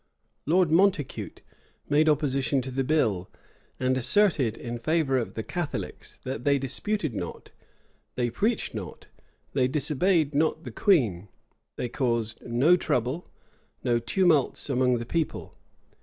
Lord Montacute made opposition to the bill; and asserted, in favor of the Catholics, that they disputed not, they preached not, they disobeyed not the queen, they caused no trouble, no tumults among the people.